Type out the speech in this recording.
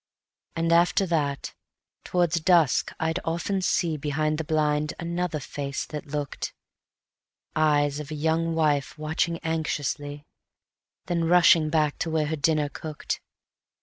And after that, towards dusk I'd often see Behind the blind another face that looked: Eyes of a young wife watching anxiously, Then rushing back to where her dinner cooked.